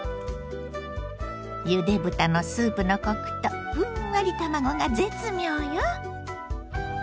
ゆで豚のスープのコクとふんわり卵が絶妙よ！